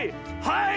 はい！